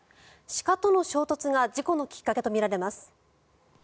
鹿との衝突が事故のきっかけとみられます。